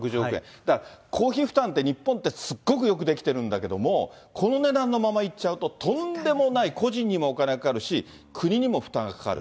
だから公費負担って日本ってすごくよくできてるんだけれども、この値段のままいっちゃうと、とんでもない個人にもお金がかかるし、国にも負担がかかる。